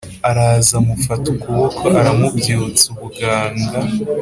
Araza Amufata Ukuboko Aramubyutsa Ubuganga